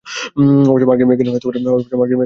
অবশ্য মার্কিন বিজ্ঞানীরা এতে দমে যাননি।